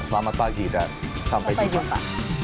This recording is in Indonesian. selamat pagi dan sampai jumpa